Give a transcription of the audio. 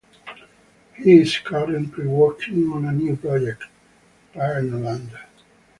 He is currently working on a new project, Paranoland.